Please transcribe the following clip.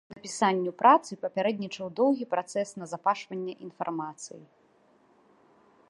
Напісанню працы папярэднічаў доўгі працэс назапашвання інфармацыі.